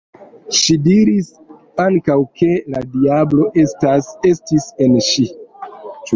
Ŝi diris ankaŭ, ke la diablo estis en ŝi.